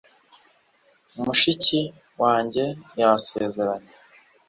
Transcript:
mushiki wanjye yasezeranye